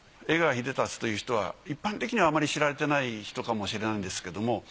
江川英龍という人は一般的にはあまり知られていない人かもしれないんですけども。